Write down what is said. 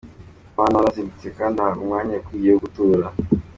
abantu barazindutse kandi bahabwa umwanya ukwiye wo gutora.